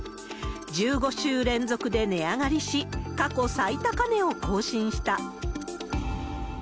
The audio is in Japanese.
１５週連続で値上がりし、過去最高値を更新した。